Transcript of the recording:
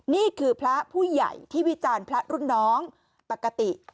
นี่คือพระผู้ใหญ่ที่วิจารณ์พระรุ่นน้องปกติ